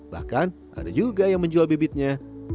bahkan ada juga yang menjual bibitnya